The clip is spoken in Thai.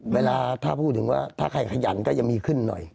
เวลาถ้าพูดถึงว่าถ้าใครขยันก็จะมีขึ้นหน่อย